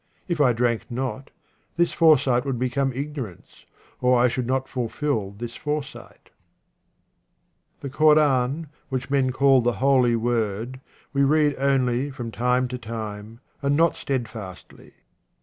If I drank not, this foresight would become ignorance, or I should not fulfil this foresight. The Koran, which men call the Holy Word, we read only from time to time and not steadfastly.